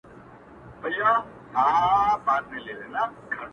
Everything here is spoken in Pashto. ه یاره دا زه څه اورمه! څه وینمه!